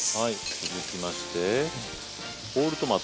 続きましてホールトマト。